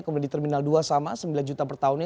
kemudian di terminal dua sama sembilan juta per tahunnya